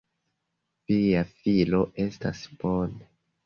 Via filo estas bone.